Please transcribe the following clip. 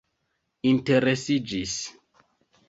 interesiĝis